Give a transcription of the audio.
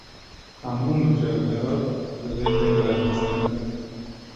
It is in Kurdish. Hemû mucewherat divê bên derxistin.